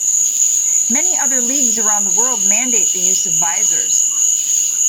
Many other leagues around the world mandate the use of visors.